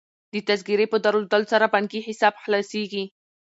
د تذکرې په درلودلو سره بانکي حساب خلاصیږي.